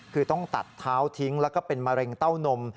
คือต้องตัดเท้าทิ้งแล้วก็เป็นมะเร็งเต้านม